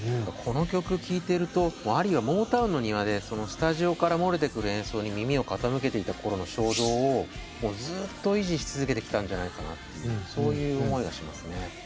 この曲聴いてるとアリーはモータウンの庭でスタジオから漏れてくる演奏に耳を傾けていた頃の衝動をもうずっと維持し続けてきたんじゃないかなというそういう思いがしますね。